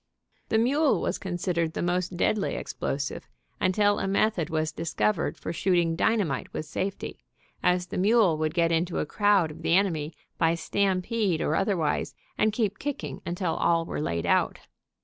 The mule was con sidered the most deadly explosive, until a method was discovered for shooting dynamite with safety, as the mule would get into a crowd of the enemy, by stam pede or otherwise, and keep kicking until all were laid out.